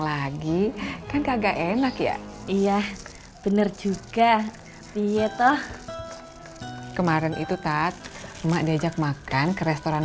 lagi kan kagak enak ya iya bener juga iya toh kemarin itu tat emak diajak makan ke restoran